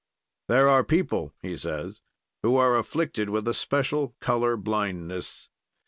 "There are people," he says, "who are afflicted with a special color blindness.